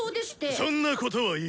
そんなことはいい！